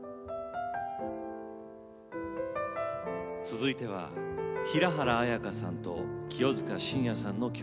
続いては平原綾香さんと清塚信也さんの共演です。